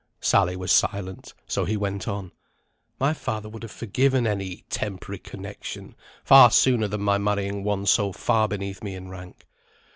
Sally was silent, so he went on: "My father would have forgiven any temporary connexion, far sooner than my marrying one so far beneath me in rank."